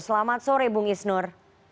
selamat sore bung isnur